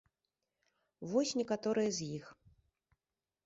Вось некаторыя з іх.